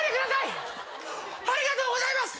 ありがとうございます。